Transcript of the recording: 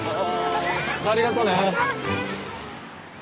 ありがとね。